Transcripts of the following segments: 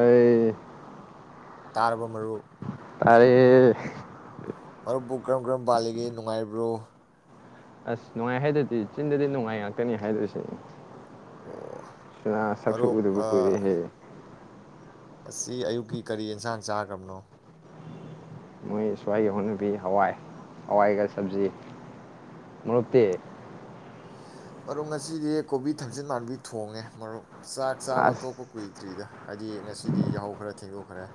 ꯑꯩ ꯇꯥꯔꯕꯣ ꯃꯔꯨꯞ ꯇꯥꯏꯌꯦ ꯃꯔꯨꯞꯄꯨ ꯀꯔꯝ ꯀꯔꯝ ꯄꯥꯜꯂꯤꯒꯦ ꯅꯨꯡꯉꯥꯏꯔꯤꯕ꯭ꯔꯣ ꯑꯁ ꯅꯨꯡꯉꯥꯏ ꯍꯥꯏꯗꯗꯤ ꯆꯤꯟꯗꯗꯤ ꯅꯨꯡꯉꯥꯏ ꯉꯥꯛꯇꯅꯤ ꯍꯥꯏꯗꯣꯏꯁꯦ ꯑꯣ ꯁꯅꯥ ꯁꯛꯁꯨ ꯃꯔꯨꯞ ꯎꯗꯕ ꯑꯥ, ꯀꯨꯏꯔꯦꯍꯦ ꯉꯁꯤ ꯑꯌꯨꯛꯀꯤ ꯀꯔꯤ ꯌꯦꯟꯁꯥꯡ ꯆꯥꯒ꯭ꯔꯕꯅꯣ ꯃꯣꯏ ꯁ꯭ꯋꯥꯏꯒꯤ ꯍꯧꯅꯕꯤ ꯍꯋꯥꯏ ꯍꯋꯥꯏꯒ ꯁꯕꯖꯤ ꯃꯔꯨꯞꯇꯤ ꯃꯔꯨꯞ ꯉꯁꯤꯗꯤ ꯀꯣꯕꯤ ꯊꯝꯆꯦꯠ ꯃꯥꯟꯕꯤ ꯊꯣꯡꯉꯦ ꯃꯔꯨꯞ ꯆꯥꯛ ꯆꯥꯕ ꯑꯁ ꯇꯣꯛꯄ ꯀꯨꯏꯗ꯭ꯔꯤꯗ ꯍꯥꯏꯗꯤ ꯉꯁꯤꯗꯤ ꯌꯥꯍꯧ ꯈꯔ ꯊꯦꯡꯗꯣꯛ ꯈꯔꯦ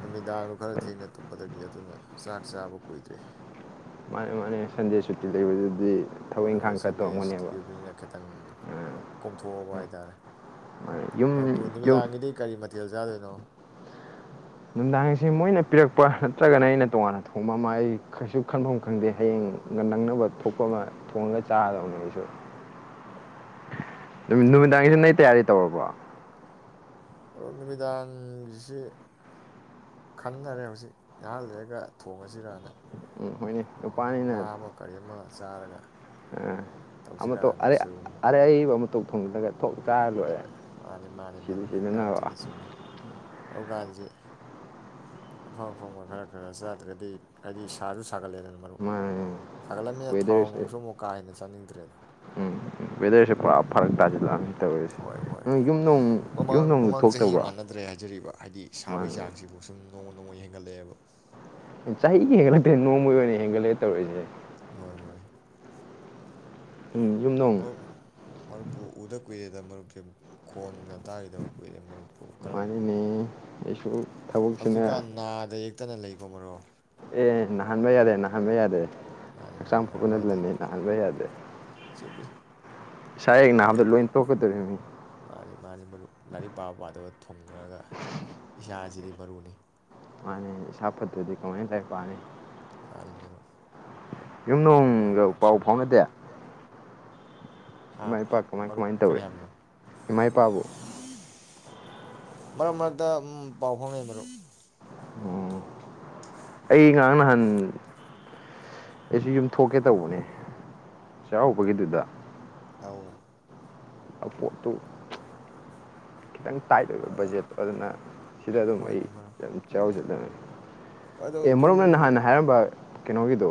ꯅꯨꯃꯤꯗꯥꯡ ꯈꯔ ꯊꯦꯡꯅ ꯇꯨꯝꯕꯗꯒꯤ ꯑꯗꯨꯅ ꯆꯥꯛ ꯆꯥꯕ ꯀꯨꯏꯗ꯭ꯔꯤ꯫ ꯃꯥꯅꯦ ꯃꯥꯅꯦ ꯁꯟꯗꯦ ꯁꯨꯇꯤ ꯂꯩꯕꯗꯨꯗꯤ ꯊꯕꯛ ꯍꯣꯏ ꯍꯣꯏ ꯏꯪꯈꯥꯡ ꯈꯔ ꯁꯟꯗꯦ ꯁꯨꯇꯤ ꯇꯧꯔꯝꯒꯅꯦꯕ ꯑꯣꯏꯕꯅꯤꯅ ꯈꯤꯇꯪ ꯀꯣꯝꯊꯣꯛꯑꯕ ꯍꯥꯏ ꯇꯥꯔꯦ ꯃꯥꯅꯦ. ꯃꯄꯨ ꯌꯨꯝ ꯌꯨꯝ ꯅꯨꯃꯤꯗꯥꯡꯒꯤꯗꯤ ꯀꯔꯤ ꯃꯠ ꯊꯦꯜ ꯆꯥꯗꯣꯏꯅꯣ ꯅꯨꯡꯗꯥꯡꯁꯦ ꯃꯣꯏꯅ ꯄꯤꯔꯛꯄ ꯅꯠꯇ꯭ꯔꯒꯅ ꯑꯩꯅ ꯇꯣꯉꯥꯟꯅ ꯊꯣꯡꯕ ꯑꯃ ꯑꯩ ꯀꯩꯁꯨ ꯈꯟꯐꯝ ꯈꯪꯗꯦ ꯍꯌꯦꯡ ꯑꯣ ꯉꯟꯅ ꯅꯪꯅꯕ ꯊꯣꯛ ꯊꯣꯛꯄ ꯑꯃ ꯊꯣꯡꯉꯒ ꯆꯥꯒꯗꯧꯅꯦ ꯑꯩꯁꯨ꯫ ꯅꯨꯃꯤꯠ ꯑꯣ ꯅꯨꯃꯤꯗꯥꯡꯖꯤꯗ ꯅꯣꯏ ꯇꯌꯥꯔꯤ ꯇꯧꯔꯕꯣ ꯑꯗꯣ ꯅꯨꯃꯤꯗꯥꯡꯖꯦ ꯈꯟꯅꯔꯦ ꯍꯧꯖꯤꯛ ꯉꯥꯏꯍꯥꯛ ꯂꯩꯔꯒ ꯊꯣꯡꯉꯖꯤꯔꯅ ꯎꯝ ꯍꯣꯏꯅꯦ ꯅꯨꯄꯥꯅꯤꯅ ꯆꯥꯔꯒ ꯑ ꯑꯃ ꯇꯣꯛ ꯑ ꯇꯧꯁꯤꯔꯅ ꯁꯣꯏꯕꯨꯝ ꯑꯔꯩꯕ ꯑꯃꯇꯣꯛ ꯊꯣꯡꯖꯤꯜꯂꯒ ꯊꯣꯛ ꯆꯥꯔ ꯂꯣꯏꯔꯦ ꯍꯣꯏ ꯃꯥꯅꯤ ꯃꯥꯅꯤ ꯁꯤꯗ ꯁꯤꯗꯅꯕ ꯍꯧꯒꯥꯟꯖꯤ ꯑꯐꯪ ꯑꯐꯪꯕ ꯈꯔ ꯈꯔ ꯆꯥꯗ꯭ꯔꯗꯤ ꯍꯥꯏꯗꯤ ꯁꯥꯖꯨ ꯁ ꯃꯥꯅꯦ ꯊꯥꯎ ꯋꯦꯗꯔꯁꯦ ꯅꯨꯡꯁꯨ ꯑꯃꯨꯛ ꯀꯥ ꯍꯦꯟꯅ ꯆꯥꯅꯤꯡꯗ꯭ꯔꯦꯗꯣ ꯎꯝ ꯋꯦꯗꯔꯁꯦ ꯄꯨꯔꯥ ꯐꯔꯛ ꯇꯥꯖꯤꯜꯂꯑꯕꯅꯤ ꯇꯧꯔꯤꯖꯦ ꯍꯣꯏ ꯍꯣꯏ ꯃꯃꯥꯡ ꯃꯃꯥꯡ ꯆꯍꯤꯒ ꯊꯣꯛꯇꯕ꯭ꯔꯣ ꯃꯥꯟꯅꯗ꯭ꯔꯦ ꯍꯥꯏꯖꯔꯤꯕ ꯍꯥꯏꯗꯤ ꯁꯥꯕꯩ ꯃꯥꯅꯦ ꯆꯥꯡꯖꯤꯕꯨ ꯁꯨꯝ ꯅꯣꯡꯃ ꯅꯣꯡꯃꯩ ꯍꯦꯟꯒꯠꯂꯛꯑꯦꯕ ꯆꯍꯤꯒꯤ ꯍꯦꯟꯒꯠꯂꯛꯇꯦ ꯅꯣꯡꯃꯒꯤ ꯑꯣꯏꯅ ꯍꯦꯟꯒꯠꯂꯛꯑꯦ ꯇꯧꯔꯤꯖꯦ꯫ ꯍꯣꯏ ꯍꯣꯏ꯫ ꯎꯝ ꯌꯨꯝꯅꯨꯡ ꯃꯔꯨꯞ ꯃꯔꯨꯞꯄꯨ ꯎꯗ ꯀꯨꯏꯔꯦꯗ ꯃꯔꯨꯞꯁꯦ ꯈꯣꯟꯒ ꯇꯥꯒꯤꯗꯕ ꯀꯨꯏꯔꯦ ꯃꯔꯨꯞ ꯃꯥꯅꯤꯅꯦ ꯑꯩꯁꯨ ꯊꯕꯛꯁꯤꯅꯦ꯫ ꯀꯠꯇꯅ ꯂꯩꯕꯣ ꯃꯔꯣ ꯑꯦ ꯅꯅꯥꯍꯟꯕ ꯌꯥꯗꯦ ꯅꯥꯍꯟꯕ ꯌꯥꯗꯦ ꯑꯗꯨ ꯃꯥꯅꯤ ꯃꯥꯅꯤ ꯍꯛꯆꯥꯡ ꯅꯥꯕ ꯌꯥꯗꯦ ꯐꯍꯕ ꯌꯥꯗꯦ ꯆꯨꯝꯃꯤ ꯁꯥꯏ ꯍꯦꯛ ꯅꯥꯕ ꯅꯍꯕꯗꯣ ꯌꯥꯗꯦ ꯂꯣꯏ ꯇꯣꯛꯀꯗꯧꯔꯤ ꯃꯤ ꯃꯥꯅꯤ ꯃꯥꯅꯤ ꯃꯔꯨꯞ ꯂꯥꯏꯔꯤꯛ ꯄꯥꯕ ꯄꯥꯗꯕ ꯊꯣꯈ꯭ꯔꯒ ꯏꯁꯥ ꯑꯁꯤꯗꯤ ꯃꯔꯨꯅꯤ ꯁꯥꯐꯠꯇꯨꯗꯤ ꯀꯃꯥꯏꯅ ꯇꯕꯅꯤ ꯒꯥꯔꯤ ꯃꯔꯣ ꯌꯨꯝ ꯅꯣꯡꯒ ꯄꯥꯎ ꯐꯥꯎꯅꯗꯦ ꯍꯥ ꯏꯃꯥ ꯏꯄꯥ ꯀꯃꯥꯏ ꯃꯔꯨꯞ ꯀꯃꯥꯏꯅ ꯀꯔꯤ ꯇꯧꯔꯤ ꯍꯥꯏꯕꯅꯣ ꯏꯃꯥ ꯏꯄꯥꯕꯨ ꯃꯔꯛ ꯃꯔꯛꯇ ꯄꯥꯎ ꯐꯥꯎꯅꯩ ꯃꯔꯨꯞ ꯑꯣ ꯑꯩ ꯉꯍꯥꯡ ꯅꯍꯥꯟ ꯑꯩꯁꯨ ꯌꯨꯝ ꯊꯣꯛꯀꯦ ꯇꯧꯕꯅꯦ ꯆꯥꯛꯧꯕꯒꯤꯗꯨꯗ ꯑꯥꯎ ꯑꯄꯨ ꯇꯨ ꯈꯤꯇꯪ ꯇꯥꯏꯠ ꯑꯣꯏꯕ ꯕꯖꯦꯠꯇꯣ ꯑꯗꯨꯅ ꯁꯤꯗ ꯑꯗꯨꯝ ꯑꯩ ꯍꯣꯏꯅꯦ ꯃꯔꯨꯞ ꯌꯥꯝ ꯑꯗꯨ ꯆꯥꯎꯔꯖꯗꯅꯤ ꯑꯗꯣ ꯑꯦ ꯃꯔꯨꯞ ꯌꯨꯝ ꯑꯣꯏꯅ ꯅꯍꯥꯟꯅ ꯍꯥꯏꯔꯝꯕ ꯀꯩꯅꯣꯒꯤꯗ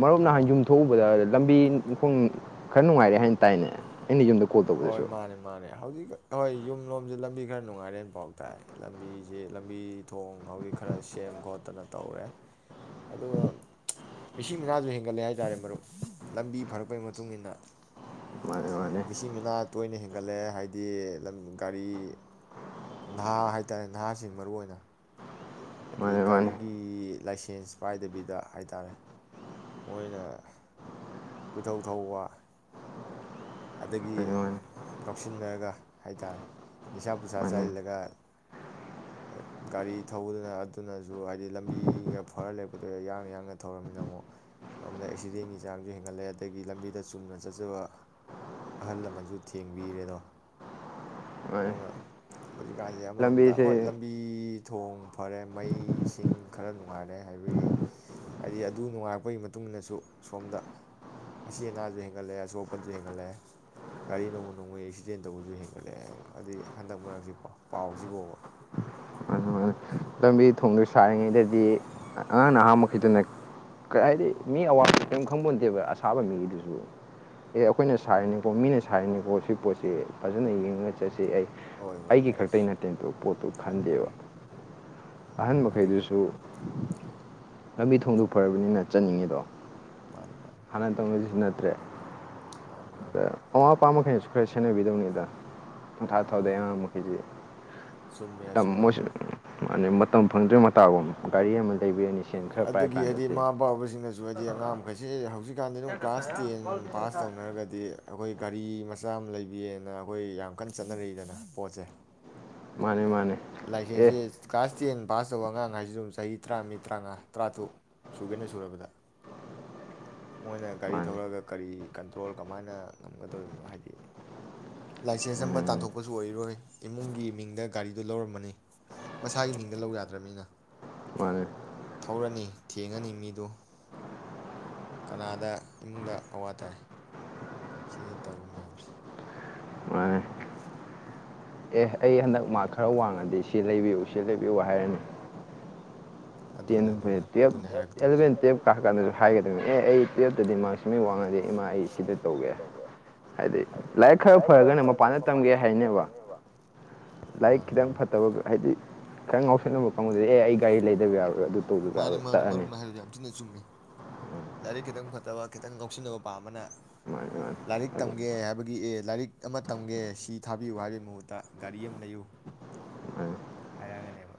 ꯃꯔꯨꯞ ꯅꯍꯥꯟ ꯑꯥ ꯌꯨꯝ ꯊꯣꯛꯎꯕꯗ ꯂꯝꯕꯤꯈꯣꯡ ꯈꯔ ꯅꯨꯡꯉꯥꯏꯔꯦ ꯍꯥꯏꯅ ꯇꯥꯏꯅꯦ ꯑꯩꯅ ꯌꯨꯝꯗ ꯀꯣꯜ ꯍꯣꯏ ꯇꯧꯕꯗꯁꯨ ꯃꯥꯅꯦ ꯃꯥꯅꯦ ꯍꯧꯖꯤꯛ ꯍꯣꯏ ꯌꯨꯝ ꯂꯣꯝꯁꯦ ꯂꯝꯕꯤ ꯈꯔ ꯅꯨꯡꯉꯥꯏꯔꯦꯅꯐꯥꯎ ꯇꯥꯏ ꯂꯝꯕꯤꯁꯦ ꯂꯝꯕꯤ ꯊꯣꯡ ꯍꯧꯖꯤꯛ ꯈꯔ ꯁꯦꯝ ꯈꯣꯠꯇꯅ ꯇꯧꯔꯦ ꯑꯗꯨꯒ ꯃꯤꯁꯤ ꯃꯤꯅꯥꯁꯨ ꯍꯦꯟꯒꯠꯂꯦ ꯍꯥꯏꯇꯥꯔꯦ ꯃꯔꯨꯞ ꯂꯝꯕꯤ ꯐꯔꯛꯄꯒꯤ ꯃꯇꯨꯡ ꯏꯟꯅ ꯃꯥꯅꯦ ꯃꯥꯅꯦ ꯃꯤꯆ ꯃꯤꯅꯥ ꯇꯣꯏꯅ ꯍꯦꯟꯒꯠꯂꯑꯦ ꯍꯥꯏꯗꯤ ꯒꯥꯔꯤ ꯅꯍꯥ ꯍꯥꯏꯇꯥꯔꯦ ꯅꯍꯥꯁꯤꯡ ꯃꯔꯨ ꯑꯣꯏꯅ ꯍꯥꯏꯗꯤ ꯃꯥꯅꯦ ꯃꯥꯅꯦ ꯒꯥꯔꯤꯒꯤ ꯂꯥꯏꯁꯦꯟꯁ ꯄꯥꯏꯗꯕꯤꯗ ꯍꯥꯏ ꯇꯔꯦ ꯃꯣꯏꯅ ꯀꯣꯏꯊꯧ ꯊꯧꯕ ꯑꯗꯒꯤ ꯃꯥꯅꯦ ꯉꯧꯁꯤꯟꯅꯔꯒ ꯍꯥꯏ ꯇꯥꯔꯦ ꯅꯤꯁꯥ ꯃꯥꯅꯦ ꯄꯨꯁꯥ ꯃꯥꯅꯦ ꯆꯥꯏꯁꯤꯜꯂꯒ ꯒꯥꯔꯤ ꯊꯧꯕꯗꯨꯅ ꯑꯗꯨꯅꯁꯨ ꯍꯥꯏꯗꯤ ꯂꯝꯕꯤꯒ ꯐꯔ ꯂꯩꯔꯛꯄꯗꯨꯣ ꯌꯥꯡꯅ ꯌꯥꯡꯅ ꯊꯧꯔꯝꯃꯤꯅ ꯑꯃꯨ ꯁꯣꯝꯗ ꯑꯦꯛꯁꯤꯗꯦꯟꯒꯤ ꯆꯥꯡꯁꯨ ꯍꯦꯟꯒꯠꯂꯛꯑꯦ ꯑꯗꯒꯤ ꯂꯝꯕꯤꯗ ꯆꯨꯝꯅ ꯆꯠꯆꯕ ꯑꯍꯜ ꯂꯃꯟꯁꯨ ꯊꯦꯡꯕꯤꯔꯦꯗꯣ ꯃꯥꯅꯦ ꯑꯗꯨꯅ ꯍꯧꯖꯤꯛꯀꯥꯟꯁꯦ ꯑꯃꯔꯣꯝꯗ ꯂꯝꯕꯤꯁꯦ ꯍꯣꯏ ꯂꯝꯕꯤ ꯊꯣꯡ ꯐꯔꯦ ꯃꯩꯁꯤꯡ ꯈꯔ ꯅꯨꯡꯉꯥꯏꯔꯦ ꯍꯥꯏꯕꯒꯤ ꯍꯥꯏꯗꯤ ꯑꯗꯨ ꯅꯨꯡꯉꯥꯏꯔꯛꯄꯒꯤ ꯃꯇꯨꯡ ꯏꯟꯅꯁꯨ ꯁꯣꯝꯗ ꯑꯁꯤ ꯑꯅꯥꯁꯨ ꯍꯦꯟꯒꯠꯂꯛꯑꯦ ꯑꯁꯞꯄ ꯁꯨ ꯍꯦꯟꯒꯠꯂꯛꯑꯦ ꯒꯥꯔꯤ ꯅꯣꯡꯃ ꯅꯣꯡꯃꯒꯤ ꯑꯦꯛꯁꯤꯗꯦꯟ ꯇꯧꯕꯁꯨ ꯍꯦꯟꯒꯠꯂꯛꯑꯦ ꯍꯥꯏꯗꯤ ꯍꯟꯗꯛ ꯃꯔꯛꯁꯤꯀꯣ ꯄꯥꯎꯁꯤ ꯐꯥꯎꯕ ꯃꯥꯅꯦ ꯃꯥꯅꯦ ꯂꯝꯕꯤ ꯊꯣꯡꯗ ꯁꯥꯔꯤꯉꯩꯗꯗꯤ ꯑꯉꯥꯡ ꯅ ꯑꯍꯥꯃꯛꯗꯅꯔꯤ ꯍꯥꯏꯗꯤ ꯃꯤ ꯑꯋꯥꯕ ꯀꯔꯤꯝ ꯈꯪꯕꯣꯟꯗꯦꯕ ꯑꯁꯥꯕ ꯃꯤꯒꯤꯗꯨꯁꯨ ꯑꯦ ꯑꯩꯈꯣꯏꯅ ꯁꯥꯔꯤꯅꯤꯀꯣ ꯃꯤꯅ ꯁꯥꯔꯤꯅꯤꯀꯣ ꯁꯤ ꯄꯣꯠꯁꯤ ꯐꯖꯅ ꯌꯦꯡꯉꯒ ꯆꯠꯁꯤ ꯑꯩ ꯍꯣꯏ ꯍꯣꯏ ꯑꯩꯒꯤ ꯌꯥꯏ ꯈꯛꯇꯒꯤ ꯅꯠꯇꯦꯇ ꯄꯣꯠꯇꯨ ꯃꯥꯅꯤ ꯈꯟꯗꯦꯕ ꯃꯥꯅꯤ ꯑꯍꯟ ꯑꯗꯒꯤ ꯃꯈꯩꯗꯨꯁꯨ ꯂꯝꯕꯤ ꯊꯣꯡꯗꯣꯛ ꯐꯔꯕꯅꯤꯅ ꯆꯠꯅꯤꯡꯉꯤꯗꯣ ꯃꯥꯅꯤ ꯃꯥꯅꯤ ꯍꯅ ꯇꯁꯤ ꯅ ꯇ꯭ꯔꯦ ꯃꯥꯅꯤ ꯑ ꯃꯥꯅꯤ ꯑꯋꯥꯥ ꯑꯄꯥ ꯃꯈꯁꯨ ꯈꯔ ꯁꯦꯟꯅꯕꯤꯗꯧꯅꯤꯗ ꯄꯪ ꯊꯥ ꯃꯥꯅꯤ ꯊꯥꯗꯩ ꯃꯥꯅꯤ ꯑꯉꯥꯡ ꯃꯈꯩꯁꯤ ꯆꯨꯝꯃꯦ ꯑꯆꯨꯝꯕꯅꯤ ꯑ ꯃꯇꯝ ꯐꯪꯗ꯭ꯔꯣꯏ ꯃꯇꯥꯒꯨꯝ ꯒꯥꯔꯤ ꯑꯃ ꯂꯩꯕꯤꯔꯅꯤ ꯁꯦꯟ ꯈꯔ ꯄꯥꯏꯔ ꯀꯥꯟꯗꯗꯤ ꯑꯗꯨ ꯍꯥꯏꯗꯤ ꯑꯉꯥꯡ ꯃꯈꯩꯁꯤ ꯍꯧꯖꯤꯛꯀꯥꯟꯗꯤ ꯑꯗꯨꯝ ꯀ꯭ꯂꯥꯁ ꯇꯦꯟ ꯄꯥꯁ ꯇꯧꯅꯔꯒꯗꯤ ꯑꯩꯈꯣꯏ ꯒꯥꯔꯤ ꯃꯆꯥ ꯑꯃ ꯂꯩꯕꯤꯌꯦꯅ ꯑꯩꯈꯣꯏ ꯌꯥꯝ ꯀꯟꯅ ꯆꯠꯅꯔꯛꯏꯗꯅ ꯄꯣꯠꯁꯦ ꯃꯥꯅꯤ ꯂꯥꯏꯔꯤꯛꯁꯦꯜꯁꯦ ꯀ꯭ꯂꯥꯁ ꯇꯦꯟ ꯄꯥꯁ ꯇꯧꯕ ꯑꯉꯥꯡ ꯍꯥꯏꯁꯤ ꯑꯗꯨꯝ ꯆꯍꯤ ꯇꯔꯥ ꯃꯤꯔꯤ ꯇꯔꯥꯃꯉꯥ ꯇꯔꯥꯇꯔꯨꯛ ꯁꯨꯒꯦꯅ ꯁꯨꯔꯕꯗ ꯃꯣꯏꯅ ꯒꯥꯔꯤ ꯃꯥꯅꯦ ꯊꯧꯔꯛꯑꯒ ꯀꯔꯤ ꯀꯟꯇ꯭ꯔꯣꯜ ꯀꯃꯥꯏꯅ ꯉꯝꯒꯗꯧꯔꯤꯕꯅꯣ ꯍꯥꯏꯗꯤ ꯂꯥꯏꯁꯦꯟꯁ ꯑꯃ ꯃꯥꯅꯦ ꯇꯥꯟꯊꯣꯛꯄꯁꯨ ꯑꯣꯏꯔꯣꯏ ꯏꯃꯨꯡꯒꯤ ꯃꯤꯡꯗ ꯒꯥꯔꯤꯗꯨ ꯂꯧꯔꯝꯃꯅꯤ ꯃꯁꯥꯒꯤ ꯃꯤꯡꯗ ꯂꯧ ꯌꯥꯗ꯭ꯔꯅꯤꯅ ꯃꯥꯅꯦ ꯃꯥꯅꯦ ꯊꯧꯔꯅꯤ ꯊꯦꯡꯉꯅꯤ ꯃꯤꯗꯨ ꯀꯅꯥꯗ ꯏꯃꯨꯡꯗ ꯑꯋꯥ ꯇꯥꯏ ꯁꯤꯅꯤ ꯇꯧꯔꯤ ꯃꯌꯥꯝꯁꯦ ꯃꯥꯅꯦ ꯑꯦ ꯑꯩ ꯍꯟꯗꯛ ꯃꯥ ꯈꯔ ꯋꯥꯡꯉꯗꯤ ꯁꯤ ꯂꯩꯕꯤꯌꯨ ꯁꯤ ꯂꯩꯕꯤꯌꯨ ꯍꯥꯏꯔꯅꯤ ꯑꯗꯨꯅꯦ ꯇꯦꯟ ꯑꯗꯨꯅꯦ ꯇꯨꯌꯦ ꯑꯗꯨꯅꯦ ꯍꯥꯏꯔꯛꯀꯗꯣꯏꯁꯦ ꯑꯦꯂꯚꯦꯟ ꯇꯨꯌꯦꯜꯞ ꯀꯥꯔ ꯀꯥꯟꯗꯁꯨ ꯍꯥꯏꯒꯗꯕꯅꯦ ꯑꯦ ꯑꯩ ꯇꯨꯋꯜꯞꯇꯗꯤ ꯃꯥꯔꯛꯁꯃ ꯋꯥꯡꯉꯗꯦ ꯏꯃꯥ ꯑꯩ ꯁꯤꯗ ꯇꯧꯒꯦ ꯍꯥꯏꯗꯤ ꯂꯥꯏꯔꯤꯛ ꯈꯔ ꯐꯔꯒꯅ ꯃꯄꯥꯟꯗ ꯇꯝꯒꯦ ꯍꯥꯏꯅꯦꯕ ꯂꯥꯏꯔꯤꯛ ꯃꯥꯅꯤ ꯈꯤꯇꯪ ꯃꯥꯅꯤ ꯐꯠꯇꯕ ꯍꯥꯏꯗꯤ ꯈꯤꯇꯪ ꯉꯥꯎꯁꯟꯅꯕ ꯀꯥꯡꯕꯨꯗꯤ ꯑꯦ ꯑꯩ ꯒꯥꯔꯤ ꯂꯩꯗꯕ ꯌꯥꯔꯣꯏ ꯑꯗꯨ ꯇꯧꯗꯕ ꯃꯥꯅꯦ ꯌꯥꯔꯣꯏ ꯃꯥꯅꯤ ꯇꯛꯑꯅꯤ ꯃꯔꯨꯞꯅ ꯍꯥꯏꯔꯤꯗꯣ ꯌꯥꯝ ꯊꯤꯅ ꯆꯨꯝꯃꯤ ꯂꯥꯏꯔꯤꯛ ꯈꯤꯇꯪ ꯐꯠꯇꯕ ꯈꯤꯇꯪ ꯅꯣꯛꯁꯤꯟꯅꯕ ꯄꯥꯝꯕꯅ ꯃꯥꯅꯤ ꯃꯥꯅꯤ ꯂꯥꯏꯔꯤꯛ ꯑꯗꯨ ꯇꯝꯒꯦ ꯍꯥꯏꯕꯒꯤ ꯑꯦ ꯂꯥꯏꯔꯤꯛ ꯑꯃ ꯇꯝꯒꯦ ꯁꯤ ꯊꯥꯕꯤꯌꯨ ꯍꯥꯏꯕꯒꯤ ꯃꯍꯨꯠꯇ ꯒꯥꯔꯤ ꯑꯃ ꯂꯩꯌꯨ ꯃꯥꯅꯤ ꯍꯥꯏꯔꯛꯑꯒꯅꯦꯕ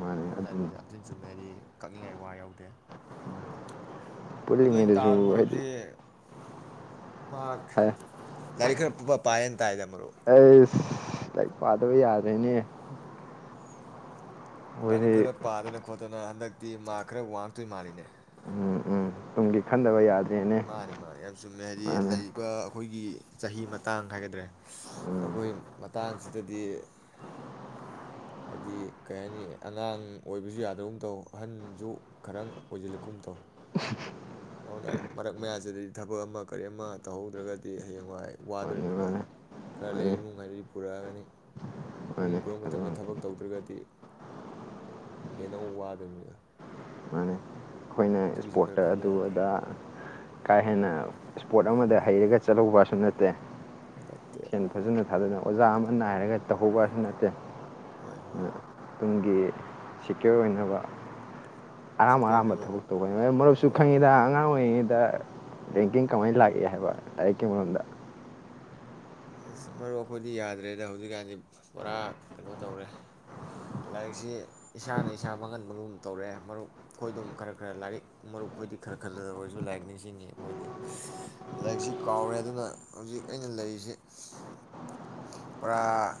ꯃꯥꯅꯤ ꯑꯗꯨꯅꯤ ꯃꯣꯝꯗꯏꯗꯨꯁꯨ ꯌꯥꯝ ꯊꯤꯟ ꯆꯨꯝꯃꯦꯗꯤ ꯀꯛꯅꯤꯡꯉꯥꯏ ꯋꯥ ꯌꯥꯎꯗꯦ ꯑꯗꯨ ꯑꯩꯅ ꯄꯨꯜꯂꯤꯉꯩꯗꯁꯨ ꯇꯥꯕ ꯍꯥꯏꯗꯤ ꯃꯔꯨꯞꯁꯦ ꯃꯍꯥꯛ ꯍꯥꯏ ꯂꯥꯏꯔꯤꯛ ꯈꯔ ꯄꯨꯕ ꯄꯥꯏꯌꯦꯅ ꯇꯥꯏꯗ ꯃꯔꯣ ꯑꯩꯁ ꯄꯥꯗꯕ ꯌꯥꯗ꯭ꯔꯦꯅꯦ ꯂꯥꯏꯔꯤꯛ ꯑꯩꯈꯣꯏꯗꯤ ꯈꯔ ꯄꯥꯗꯅ ꯐꯣꯠꯇꯣꯅ ꯍꯟꯗꯛꯇꯤ ꯃꯥꯛ ꯈꯔ ꯋꯥꯡꯗꯣꯏ ꯃꯥꯜꯂꯤꯅꯦ ꯒꯤ ꯈꯟꯗꯕ ꯌꯥꯗꯦ ꯃꯥꯅꯤ ꯃꯥꯅꯤ ꯌꯥꯝ ꯆꯨꯝꯃꯦ ꯍꯥꯏꯗꯤ ꯂꯩꯕ ꯑꯩꯈꯣꯏꯒꯤ ꯆꯍꯤ ꯃꯇꯥꯡ ꯍꯥꯏꯒꯗ꯭ꯔꯦ ꯎꯝ ꯑꯩꯈꯣꯏ ꯃꯇꯥꯡꯁꯤꯗꯗꯤ ꯍꯥꯏꯗꯤ ꯀꯩ ꯍꯥꯏꯅꯤ ꯑꯉꯥꯡ ꯑꯣꯏꯕꯁꯨ ꯌꯥꯗꯧꯕ ꯇꯧ ꯑꯍꯟꯁꯨ ꯈꯔ ꯑꯣꯏꯁꯤꯜꯂꯛꯀꯕ ꯇꯧ ꯑꯗꯨꯅ ꯃꯔꯛ ꯃꯌꯥꯁꯤꯗꯗꯤ ꯊꯕꯛ ꯑꯃ ꯀꯔꯤ ꯑꯃ ꯇꯧꯍꯧꯗ꯭ꯔꯒꯗꯤ ꯍꯌꯦꯡꯋꯥꯏ ꯃꯥꯅꯤ ꯋꯥꯗꯣꯔꯤꯕꯃꯤꯗꯣ ꯃꯥꯅꯤ ꯈꯔ ꯃꯥꯅꯤ ꯂꯩ ꯏꯃꯨꯡ ꯍꯥꯏꯅꯗꯤ ꯄꯨꯔꯛꯑꯒꯅꯤ ꯏꯃꯨꯡ ꯃꯥꯅꯤ ꯄꯨꯔꯛꯄ ꯑꯗꯨ ꯃꯇꯝꯗ ꯊꯕꯛ ꯉꯥꯛꯇꯅꯤ ꯇꯧꯗ꯭ꯔꯒꯗꯤ ꯍꯦꯟꯅꯛ ꯋꯥꯗꯣꯏꯅꯤꯗꯣ ꯃꯥꯅꯤ ꯑꯩꯈꯣꯏꯅ ꯑꯗꯨꯒꯤꯁꯨ ꯈꯔ ꯏꯁꯄꯣꯔꯠꯇ ꯈꯟꯕ ꯑꯗꯨ ꯌꯥꯗꯦ ꯑꯗ ꯀꯥ ꯍꯦꯟꯅ ꯏꯁꯄꯣꯔꯠ ꯑꯃꯗ ꯍꯩꯔꯒ ꯆꯠꯍꯧꯕꯁꯨ ꯅꯠꯇꯦ ꯅꯠꯇꯦ ꯁꯦꯟ ꯐꯥꯖꯅ ꯑꯗꯨꯅ ꯑꯣꯖꯥ ꯑꯃ ꯅꯥꯏꯔꯒ ꯇꯧꯍꯧꯕꯁꯨ ꯅꯠꯇꯦ ꯍꯣꯏ ꯍꯣꯏ ꯇꯨꯡꯒꯤ ꯁꯦꯀ꯭ꯌꯣꯔ ꯑꯣꯏꯅꯕ ꯑꯔꯥ ꯑꯔꯥꯥꯟꯕ ꯁꯦꯀꯣꯏꯅꯕ ꯊꯕꯛ ꯃꯔꯨꯞꯁꯨ ꯍꯣꯏ ꯈꯪꯉꯤꯗ ꯑꯉꯥꯡ [unintelligible] ꯀꯃꯥꯏꯅ ꯂꯥꯛꯏ ꯍꯥꯏꯕ ꯂꯥꯏꯔꯤꯛꯀꯤ ꯃꯔꯗ ꯑꯁ ꯃꯔꯨꯞ ꯑꯩꯈꯣꯏꯗꯤ ꯌꯥꯗ꯭ꯔꯦꯗ ꯍꯧꯖꯤꯛꯀꯥꯟꯗꯤ ꯄꯨꯔꯥ ꯀꯩꯅꯣ ꯇꯧꯔꯦ ꯂꯥꯏꯔꯤꯛꯁꯤ ꯏꯁꯥꯅ ꯏꯁꯥ ꯃꯥꯡꯍꯟꯕꯒꯨꯝ ꯇꯧꯔꯛꯑꯦ ꯃꯔꯨꯞ ꯈꯣꯏꯗꯝ ꯈꯔ ꯈꯔ ꯂꯥꯏꯔꯤꯛ ꯃꯔꯨꯞ ꯈꯣꯏꯗꯤ ꯈꯔ ꯈꯜꯂꯗ ꯑꯣꯏꯔꯁꯨ ꯂꯥꯏꯔꯤꯛ ꯅꯤꯡꯁꯤꯡꯉꯤ ꯑꯩꯈꯣꯏꯗꯤ ꯂꯥꯏꯔꯤꯛꯁꯤ ꯀꯥꯎꯔꯦ ꯑꯗꯨꯅ ꯍꯧꯖꯤꯛ ꯑꯩꯅ ꯂꯩꯔꯤꯁꯤ ꯄꯨꯔꯥ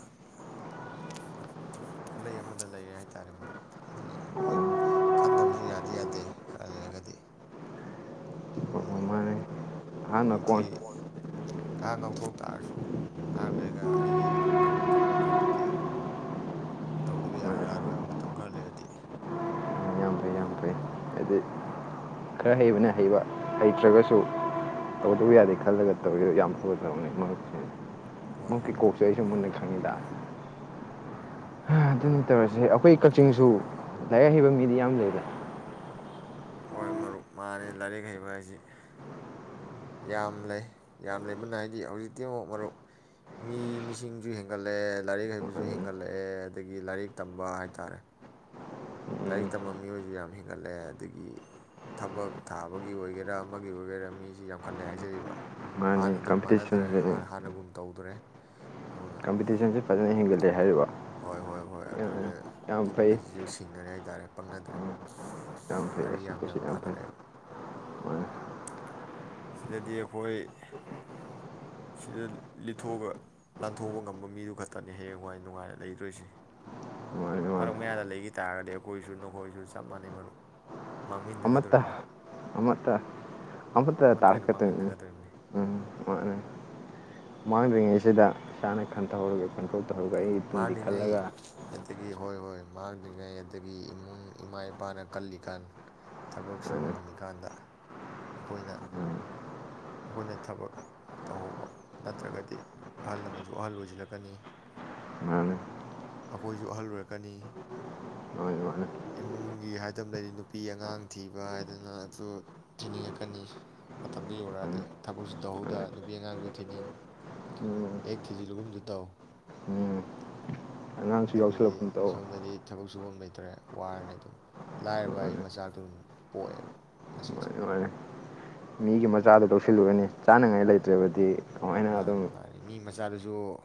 ꯈꯨꯠꯂꯩ ꯑꯃꯗ ꯂꯩꯔꯦ ꯍꯥꯏ ꯇꯔꯦ ꯃꯔꯨꯞ ꯑꯗꯨꯅ ꯍꯣꯏ ꯈꯟꯗꯕꯁꯨ ꯌꯥꯗꯤ ꯌꯥꯗꯦ ꯈꯔ ꯂꯩꯔꯒꯗꯤ ꯑꯗꯨ ꯃꯥꯅꯤ ꯑꯍꯥꯟꯕ ꯍꯧꯖꯤꯛꯇꯤ ꯀꯣꯟ ꯉꯥꯏꯍꯥꯛ ꯉꯥꯎꯊꯣꯛ ꯇꯥꯔꯁꯨ ꯉꯥꯏꯍꯥꯛ ꯂꯩꯔꯒ ꯑꯩꯒꯤ ꯇꯧꯐꯝ ꯊꯣꯛꯄ ꯈꯔꯗꯨꯗꯤ ꯇꯧꯗꯕ ꯃꯥꯅꯤ ꯌꯥꯔꯔꯔꯣꯏꯕ ꯃꯇꯝ ꯈꯔ ꯂꯩꯔꯗꯤ ꯌꯥꯝ ꯐꯩ ꯌꯥꯝ ꯐꯩ ꯍꯥꯏꯗꯤ ꯈꯔ ꯍꯩꯕꯅ ꯍꯩꯕ ꯍꯩꯇ꯭ꯔꯒꯁꯨ ꯇꯧꯗꯕ ꯌꯥꯗꯦ ꯈꯜꯂꯒ ꯇꯧꯗꯣ ꯌꯥꯝ ꯐꯕ ꯊꯕꯛꯅꯤ ꯃꯔꯨꯞꯁꯤꯡ ꯍꯣꯏ ꯃꯀꯤ ꯍꯣꯏ ꯃꯔꯨꯞ ꯀꯣꯛꯁꯦ ꯑꯩꯁꯨ ꯃꯅ ꯈꯪꯉꯤꯗ ꯎꯝ ꯃꯔꯨꯞ ꯑꯗꯨꯅꯤꯇꯔꯁꯤ ꯑꯩꯈꯣꯏ ꯀꯛꯆꯤꯡꯁꯨ ꯂꯥꯏꯔꯤꯛ ꯍꯩꯕ ꯃꯤꯗꯤ ꯌꯥꯝ ꯂꯩꯔꯦ ꯍꯣꯏ ꯃꯔꯨꯞ ꯃꯥꯅꯤ ꯂꯥꯏꯔꯤꯛ ꯍꯩꯕ ꯍꯥꯏꯁꯤ ꯌꯥꯝ ꯂꯩ ꯌꯥꯝ ꯂꯩꯕꯅ ꯍꯥꯏꯗꯤ ꯍꯧꯖꯤꯛꯇꯤ ꯑꯃꯨꯛ ꯃꯔꯨꯞ ꯃꯤ ꯃꯤꯁꯤꯡꯁꯨ ꯍꯦꯟꯒꯠꯂꯛꯑꯦ ꯂꯥꯏꯔꯤꯛ ꯍꯩꯕꯁꯨ ꯎꯝ, ꯍꯦꯟꯒꯠꯂꯛꯑꯦ ꯑꯗꯒꯤ ꯂꯥꯏꯔꯤꯛ ꯇꯝꯕ ꯍꯥꯏ ꯇꯥꯔꯦ ꯂꯥꯏꯔꯤꯛ ꯇꯝꯕ ꯃꯤꯑꯣꯏꯁꯨ ꯌꯥꯝ ꯍꯦꯟꯒꯠꯂꯛꯑꯦ ꯑꯗꯒꯤ ꯊꯕꯛ ꯊꯥꯕꯒꯤ ꯑꯣꯏꯒꯦꯔꯥ ꯑꯃꯒꯤ ꯑꯣꯏꯒꯦꯔꯥ ꯃꯤꯁꯤ ꯌꯥꯝꯈꯠꯂꯦ ꯍꯥꯏꯖꯔꯤꯕ ꯃꯥꯅꯤ ꯍꯥꯟꯅ ꯑꯗꯨꯝ ꯃꯥꯟꯅꯗꯔꯦ ꯀꯝꯄꯤꯇꯤꯁꯟꯁꯦ ꯍꯥꯟꯅ ꯍꯥꯟꯅꯒꯨꯝ ꯇꯧꯗꯔꯦ ꯀꯝꯄꯤꯇꯤꯁꯟꯁꯤꯦ ꯐꯖꯅ ꯍꯦꯟꯒꯠꯂꯦ ꯍꯥꯏꯔꯤꯕ ꯍꯣꯏ ꯍꯣꯏ ꯍꯣꯏ ꯑꯗꯨꯅ ꯌꯥꯝ ꯃꯤꯅꯤ ꯐꯩ ꯃꯈꯥꯁꯤ ꯍꯤꯡꯅꯔꯦ ꯍꯥꯏꯇꯥꯔꯦ ꯄꯪꯅꯗ꯭ꯔꯦ ꯎ ꯑꯩ ꯑꯁ ꯄꯩ ꯑꯄ ꯁꯤꯗꯗꯤ ꯑꯩꯈꯣꯏ ꯁꯤꯗ ꯂꯤꯠꯊꯣꯛꯑꯒ ꯂꯥꯟꯊꯣꯛꯄ ꯉꯝꯕ ꯃꯤꯗꯨ ꯈꯛꯇꯅꯤ ꯍꯌꯦꯡꯋꯥꯏ ꯅꯨꯡꯉꯥꯏꯅ ꯂꯩꯗꯣꯏꯁꯤꯦ ꯃꯥꯅꯤ ꯃꯔꯛ ꯃꯥꯅꯤ ꯃꯌꯥꯗ ꯂꯩꯈꯤ ꯇꯥꯒꯗꯤ ꯑꯩ ꯀꯣꯏꯁꯨ ꯅꯈꯣꯏꯁꯨ ꯆꯞ ꯃꯥꯟꯅꯩ ꯃꯔꯨ ꯑ ꯇ ꯑ ꯇ ꯑꯠꯇ ꯑꯃꯠꯇ ꯑꯣꯏꯅ ꯇꯔꯀꯇ ꯃꯥꯡꯃꯤꯟꯅꯒꯗꯣꯔꯤꯕꯅꯤ ꯎꯝ ꯑ ꯎꯝ ꯃꯥꯡꯗ꯭ꯔꯤꯉꯩꯁꯤꯗ ꯏꯁꯥꯅ ꯈꯟꯊꯍꯔꯒ ꯈꯟꯊꯣꯛ ꯃꯥꯡꯜꯂꯤꯉꯩ ꯑꯗꯒꯤ ꯍꯣꯏ ꯍꯣꯏ ꯃꯥꯡꯗ꯭ꯔꯤꯉꯩ ꯑꯗꯒꯤ ꯏꯃꯨꯡ ꯏꯃꯥ ꯏꯄꯥꯅ ꯀꯜꯂꯤꯀꯥꯟ ꯊꯕꯛ ꯁꯨꯕ ꯃꯥꯅꯤ ꯉꯝꯃꯤꯀꯥꯟꯗ ꯑꯩꯈꯣꯏꯅ ꯎꯝ, ꯑꯩꯈꯣꯏꯅ ꯊꯕꯛ ꯇꯧꯍꯧꯕ ꯅꯠꯇ꯭ꯔꯒꯗꯤ ꯑꯍꯜ ꯂꯃꯟꯁꯨ ꯑꯍꯜ ꯑꯣꯏꯁꯤꯜꯂꯛꯀꯅꯤ ꯃꯥꯅꯤ ꯑꯩꯈꯣꯏꯁꯨ ꯑꯍꯜ ꯑꯣꯏꯔꯛꯀꯅꯤ ꯃꯥꯅꯤ ꯃꯥꯅꯤ ꯏꯃꯨꯡꯒꯤ ꯍꯥꯏꯗꯕ ꯂꯩꯔꯤ ꯅꯨꯄꯤ ꯑꯉꯥꯡ ꯊꯤꯕ ꯍꯥꯏꯗꯅꯁꯨ ꯊꯤꯅꯤꯡꯉꯛꯀꯅꯤ ꯃꯇꯝꯗꯨ ꯃꯥꯅꯤ ꯌꯧꯔꯛꯑꯗꯤ ꯊꯕꯛꯁꯨ ꯇꯧꯍꯧꯗ ꯅꯨꯄꯤ ꯑꯉꯥꯡꯁꯨ ꯊꯤꯅꯤꯡꯉꯤ ꯎꯝ ꯍꯦꯛ ꯊꯤꯖꯤꯜꯂꯨꯒꯨꯝꯁꯨ ꯇꯧ ꯎꯝ ꯑꯉꯥꯡꯁꯨ ꯑꯗꯒꯤꯗꯤ ꯌꯥꯎꯁꯜꯂꯛꯀꯨꯝ ꯇꯧ ꯁꯣꯝꯗꯗꯤ ꯊꯕꯛ ꯁꯨꯐꯝ ꯂꯩꯇ꯭ꯔꯦ ꯋꯥꯔꯅꯤ ꯑꯗꯨꯝ ꯂꯥꯏꯔꯕ ꯃꯥꯅꯤ ꯑꯩ ꯃꯆꯥꯛꯗꯨꯣ ꯑꯗꯨꯝ ꯄꯣꯛꯑꯦꯕ ꯃꯁꯤꯁꯦ ꯍꯣꯏ ꯃꯤꯒꯤ ꯃꯖ ꯃꯤꯒꯤ ꯃꯆꯥꯗꯨ ꯇꯧꯁꯤꯜꯂꯨꯒꯅꯤ ꯆꯥꯅꯉꯥꯏ ꯂꯩꯇ꯭ꯔꯕꯗꯤ ꯀꯃꯥꯏꯅ ꯃꯥꯅꯤ ꯑꯗꯨꯝ ꯃꯥꯅꯤ ꯃꯤ ꯃꯆꯥꯗꯨꯁꯨ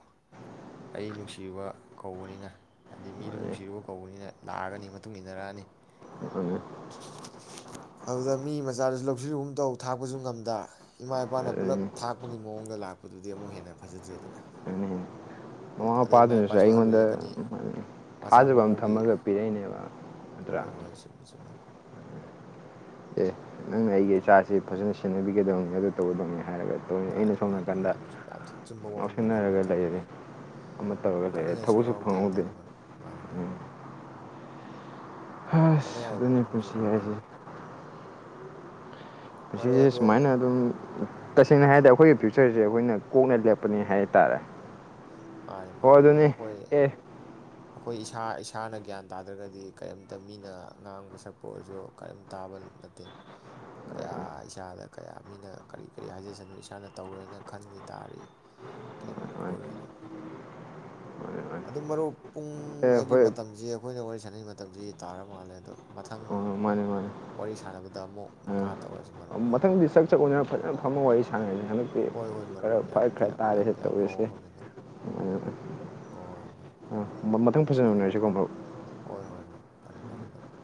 ꯑꯩ ꯅꯨꯡꯁꯤꯨꯕ ꯀꯧꯕꯅꯤꯅ ꯍꯥꯏꯗꯤ ꯃꯤꯗꯨ ꯅꯨꯡꯁꯤꯔꯨꯕ ꯀꯧꯕꯅꯤꯅ ꯂꯥꯛꯑꯒꯅꯤ ꯃꯇꯨꯡ ꯏꯟꯅꯔꯛꯑꯅꯤ ꯑꯗꯨꯗ ꯃꯤ ꯃꯆꯥꯗꯨꯁꯨ ꯂꯧꯁꯤꯜꯂꯨꯕꯨꯝ ꯇꯧ ꯊꯥꯛꯄꯁꯨꯝꯗ ꯗ ꯏꯃꯥ ꯏꯄꯥꯅ ꯄꯨꯜꯂꯞ ꯊꯥꯛꯄꯒꯤ ꯃꯑꯣꯡꯗ ꯂꯥꯛꯄꯗꯨꯗꯤ ꯑꯃꯨꯛ ꯍꯦꯟꯅ ꯐꯖꯗ꯭ꯔꯦꯗꯅ ꯃꯃꯥ ꯑꯗꯩ ꯏꯃꯥ ꯃꯄꯥꯗꯨꯅꯁꯨ ꯏꯄꯥꯁꯨ ꯑꯍꯜ ꯑꯩꯉꯣꯟꯗ ꯑꯣꯏꯜꯂꯛꯀꯅꯤ ꯃꯆꯥ ꯊꯥꯖꯕ ꯑꯃ ꯃꯃꯧꯒꯤ ꯊꯝꯃꯒ ꯄꯤꯔꯛꯏꯅꯦꯕ ꯑꯗꯨꯠꯇ꯭ꯔꯥ ꯍꯣꯏ ꯍꯣꯏ ꯆꯨꯝꯃꯤ ꯆꯨꯝꯃꯤ ꯑꯦ ꯅꯪꯅ ꯑꯩꯒꯤ ꯏꯆꯥꯁꯤ ꯐꯖꯅ ꯁꯦꯟꯅꯕꯤꯒꯗꯕꯅꯤ ꯑꯗꯨ ꯇꯧꯒꯗꯕꯅꯦ ꯃꯥꯅꯤ ꯃꯥꯅꯤ ꯌꯥꯝ ꯌꯥꯝ ꯊꯤꯤꯟ ꯆꯨꯝꯕ ꯋꯥꯐꯝꯅꯤ ꯃꯔꯨꯞꯅ ꯉꯥꯎꯁꯤꯟꯅꯔꯒ ꯂꯩꯔꯦ ꯊꯝꯕꯤꯔꯤꯁꯤ ꯑꯃ ꯇꯧꯔꯒ ꯂꯩꯔꯦ ꯀꯛꯅꯤꯡꯉꯥꯏ ꯁꯨꯡ ꯊꯕꯛꯁꯨ ꯂꯔꯥꯎꯇꯦ ꯍꯥꯏ ꯐꯪꯍꯧꯗꯦ ꯇꯇꯥꯔꯦ ꯃꯔꯨꯞ ꯃꯥꯅꯤ ꯃꯥꯅꯤ ꯑꯁ ꯀꯛꯅꯤꯡꯉꯥꯏ ꯑꯣꯏꯕ ꯑꯗꯨꯅ ꯋꯥꯐꯝ ꯄꯨꯟꯁꯤ ꯁꯨꯡꯌꯥꯎ ꯌꯥꯎꯗ꯭ꯔꯦ ꯍꯥꯏꯁꯦ ꯃꯔꯨꯞ ꯁꯤꯁꯦ ꯑꯗꯣ ꯁꯨꯃꯥꯏꯅ ꯑꯗꯨꯝ ꯎꯝ ꯇꯁꯦꯡꯅ ꯍꯥꯏꯔꯗꯤ ꯑꯩꯈꯣꯏꯒꯤ ꯐꯌꯨꯆꯔ ꯁꯛꯆꯔꯁꯦ ꯑꯩꯈꯣꯏꯅ ꯀꯣꯛꯅ ꯂꯦꯞꯄꯅꯦ ꯍꯥꯏꯇꯥꯔꯦ ꯃꯥꯏ ꯃꯥꯏ ꯃꯔ ꯑꯩꯈꯣꯏ ꯑꯩꯈꯣꯏ ꯏꯁꯥ ꯏꯁꯥꯅ ꯒ꯭ꯌꯥꯟ ꯇꯥꯗ꯭ꯔꯒꯗꯤ ꯀꯔꯤꯝꯇ ꯃꯤꯅ ꯉꯥꯡꯕ ꯁꯛꯄ ꯑꯣꯏꯔꯁꯨ ꯀꯔꯤꯝ ꯇꯥꯕ ꯅꯠꯇꯦ ꯀꯌꯥ ꯏꯁꯥꯗ ꯀꯌꯥ ꯃꯤꯅ ꯀꯔꯤ ꯀꯔꯤ ꯍꯥꯏꯖꯁꯅꯨ ꯏꯁꯥꯅ ꯇꯧꯔꯣꯏꯅ ꯈꯟꯈꯤ ꯇꯥꯔꯤ ꯀꯔꯤꯝ ꯃꯥꯅꯤ ꯑꯣꯏꯔꯣꯏꯗꯣꯏꯅꯣ ꯃꯥꯅꯤ ꯃꯥꯅꯤ ꯑꯗꯨ ꯃꯔꯨꯞ ꯄꯨꯡ ꯑꯦ ꯍꯥꯏꯗꯤ ꯍꯣꯏ ꯃꯇꯝꯁꯤ ꯑꯩꯈꯣꯏꯅ ꯋꯥꯔꯤ ꯁꯥꯟꯅꯩ ꯃꯇꯝꯁꯤ ꯇꯥꯔ ꯃꯥꯜꯂꯦ ꯑꯗꯣ ꯃꯊꯪ ꯑꯣ ꯃꯥꯅꯤ ꯃꯥꯅꯤ ꯋꯥꯔꯤ ꯁꯥꯟꯅꯕꯗ ꯑꯃꯨꯛ ꯃꯈꯥ ꯇꯧꯔꯁꯤ ꯃꯔꯨꯞ ꯃꯊꯪꯗꯤ ꯁꯥꯛ ꯆꯥꯛꯎꯗꯅ ꯐꯖꯅ ꯐꯝꯃ ꯋꯥꯔꯤ ꯁꯥꯟꯅꯅꯤ ꯍꯟꯗꯛꯇꯤ ꯍꯣꯏ ꯍꯣꯏ ꯈꯔ ꯃꯔꯨꯞ ꯌꯥꯝ ꯐꯋꯥꯏ ꯈꯔ ꯌꯥꯝ ꯌꯥꯝ ꯇꯥꯔꯦꯁꯤ ꯌꯥꯝ ꯐꯕ ꯇꯧꯔꯤꯁꯤ ꯍ ꯃꯊꯪ ꯐꯖꯅꯃꯤꯟꯅꯔ ꯁꯤꯦꯒꯨꯝꯕ ꯍꯣꯏ ꯍꯣꯏ ꯍꯣꯏ ꯐꯅꯤ ꯐꯅꯤ ꯃꯔ